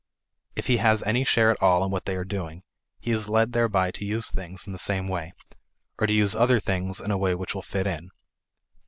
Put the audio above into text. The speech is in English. If he has any share at all in what they are doing, he is led thereby to use things in the same way, or to use other things in a way which will fit in.